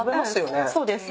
そうです。